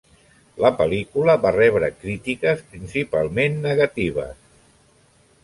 La pel·lícula va rebre crítiques principalment negatives.